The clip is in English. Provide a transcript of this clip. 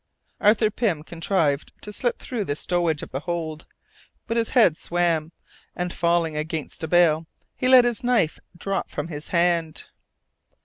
Arthur Pym contrived to slip through the stowage of the hold, but his head swam, and, falling against a bale, he let his knife drop from his hand.